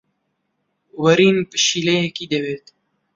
وەرین پشیلەیەکی دەوێت.